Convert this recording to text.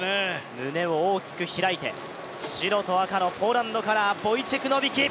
胸を大きく開いて、白と赤のポーランドカラー、ボイチェク・ノビキ。